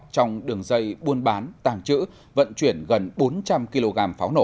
trong đường dây buôn bán tàng trữ vận chuyển gần bốn trăm linh kg pháo nổ